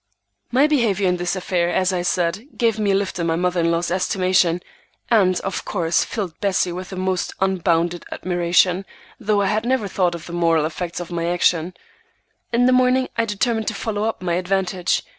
My behavior in this affair, as I said, gave me a lift in my mother in law's estimation, and of course filled Bessie with the most unbounded admiration, though I had never thought of the moral effect of my action. In the morning I determined to follow up my advantage.